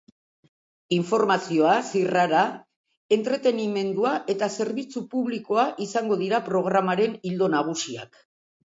Informazioa, zirrara, entretenimendua eta zerbitzu publikoa izango dira programaren ildo nagusiak.